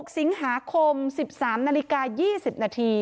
๖สิงหาคม๑๓นาฬิกา๒๐นาที